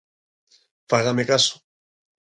Fágame caso.